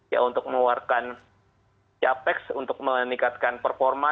ya untuk mengeluarkan capex untuk meningkatkan performa